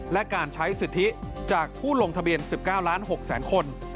และการใช้สิทธิจากผู้ลงทะเบียน๑๙ล้าน๖แสนคน